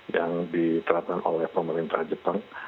yang diterapkan oleh pemerintah jepang